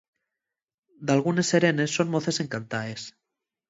Dalgunes serenes son moces encantaes.